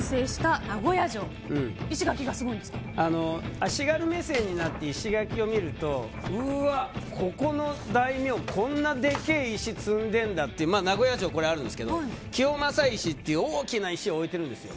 足軽目線になって石垣を見るとうわ、ここの大名こんなでけえ石積んでるんだっていう名古屋城は清正石という大きな石を置いているんですよ。